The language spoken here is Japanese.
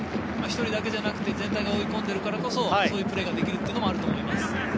１人だけじゃなくて全体で追い込んでいるからこそそういうプレーができるのもあると思います。